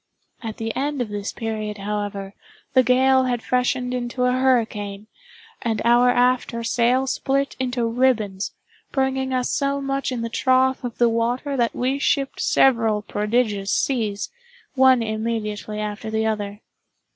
At the end of this period, however, the gale had freshened into a hurricane, and our after sail split into ribbons, bringing us so much in the trough of the water that we shipped several prodigious seas, one immediately after the other.